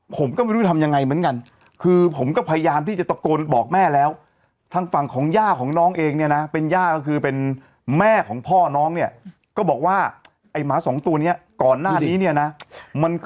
ซึ่งเรื่องราวนี้มันเกิดจากเพจเฟซบุ๊กนะฮะ